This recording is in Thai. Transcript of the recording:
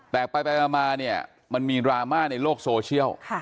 แตกไปไปมามันมีรามาในโลกโซเชียล